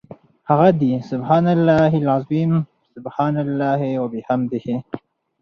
هغه دي سُبْحَانَ اللَّهِ العَظِيمِ، سُبْحَانَ اللَّهِ وَبِحَمْدِهِ .